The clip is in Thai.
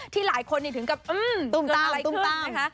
ที่หลายคนถึงกับตุ้มตามตุ้มตาม